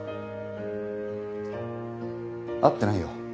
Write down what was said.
会ってないよ。